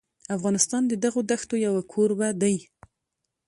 افغانستان د دغو دښتو یو کوربه دی.